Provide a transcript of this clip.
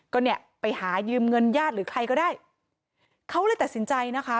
ก็เนี่ยไปหายืมเงินญาติหรือใครก็ได้เขาเลยตัดสินใจนะคะ